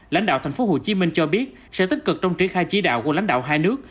lãnh đạo tp hcm cho biết sẽ tích cực trong triển khai chỉ đạo của lãnh đạo hai nước